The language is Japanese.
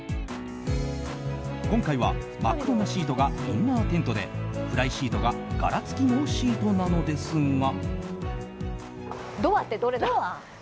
今回は真っ黒なシートがインナーテントでフライシートが柄付きのシートなのですが。